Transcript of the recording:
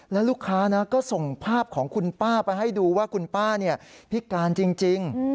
แล้วลูกค้าก็ส่งภาพของคุณป้าไปให้ดูว่าคุณป้าพิการจริง